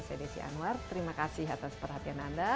saya desi anwar terima kasih atas perhatian anda